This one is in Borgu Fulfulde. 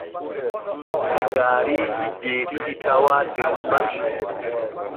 Sigaariiji jeeɗiɗi tawaa der basu.